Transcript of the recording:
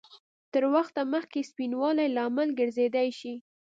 تر وخته مخکې سپینوالي لامل ګرځېدای شي؟